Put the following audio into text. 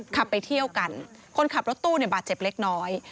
ขับไปเที่ยวกันคนขับรถตู้เนี่ยบาดเจ็บเล็กน้อย